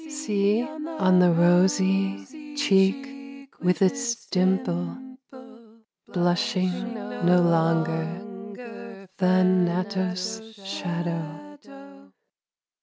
See, on the rosy Cheek with its dimple, Blushing no longer, Thanatos' shadow.